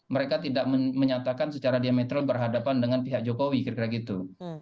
mereka tidak menyatakan secara diametral berhadapan dengan pihak jokowi kira kira gitu